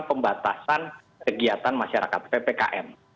pembatasan kegiatan masyarakat ppkm